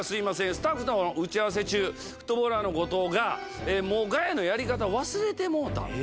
スタッフとの打ち合わせ中フットボールアワーの後藤が「もうガヤのやり方忘れてもうた。